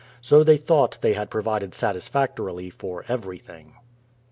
So they thought they had provided satisfactory for every thing.